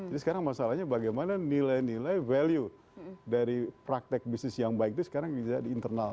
jadi sekarang masalahnya bagaimana nilai nilai value dari praktek bisnis yang baik itu sekarang bisa di internal